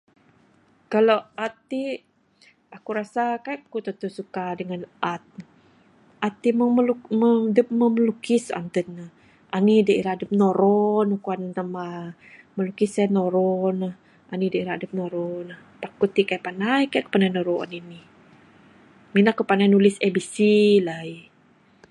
Kalau art ti'k, aku rasa kai'k aku tentu suka dengan art. Art ti'k meng dup moh melukis antun' ne. Anih da ira adup nero ne, kuan namba. Melukis sien nero ne, anih da ira adup nero ne. Pak aku'k ti kai pandai. Kai ku'k pandai nero anih anih. Mina ku'k pandai nulis A, B, C lai.